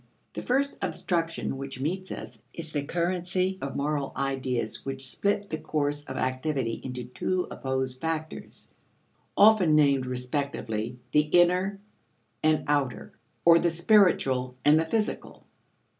The first obstruction which meets us is the currency of moral ideas which split the course of activity into two opposed factors, often named respectively the inner and outer, or the spiritual and the physical.